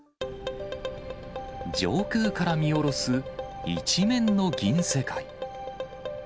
上空から見下ろす一面の銀世界。